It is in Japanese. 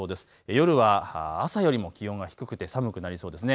夜は朝よりも気温が低くて寒くなりそうですね。